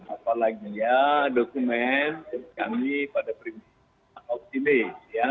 apalagi dokumen kami pada perintah atau pilih